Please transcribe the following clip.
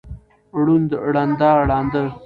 ړوند، ړنده، ړانده